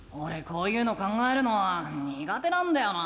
こういうの考えるのはにが手なんだよな。